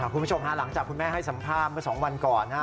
คุณผู้ชมฮะหลังจากคุณแม่ให้สัมภาษณ์เมื่อ๒วันก่อน